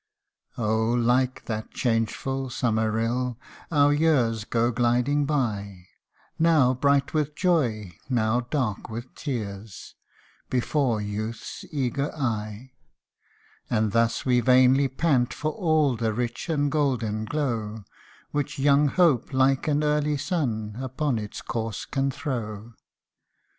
Oh ! like that changeful summer rill, our years go gliding by, Now bright with joy, now dark with tears, before youth's eager eye. 212 LIFE IS LIKE THE SUMMER RILL. And thus we vainly pant for all the rich and golden glow, Which young hope, like an early sun, upon its course can throw.